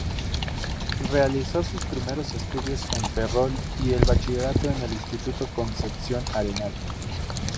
Realizó sus primeros estudios en Ferrol y el bachillerato en el instituto Concepción Arenal.